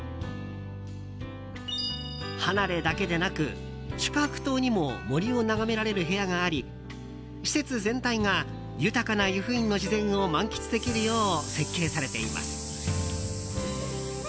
離れだけでなく、宿泊棟にも森を眺められる部屋があり施設全体が豊かな湯布院の自然を満喫できるよう設計されています。